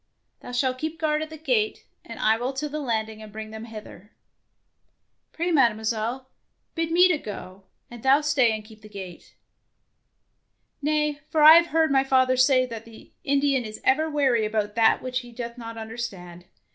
Thou shalt keep guard at the gate, and I will to the landing and bring them hither/' ^^Pray, Mademoiselle, bid me to go, and thou stay and keep the gate/' "Nay, for I have heard my father say that the Indian is ever wary about that which he doth not understand.